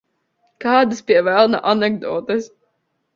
Kādas, pie velna, anekdotes?